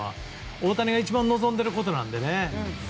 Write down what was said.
大谷が一番望んでいることなのでね。